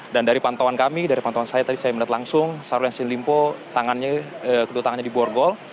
dan dari pantauan kami dari pantauan saya tadi saya melihat langsung sel tangannya di borgol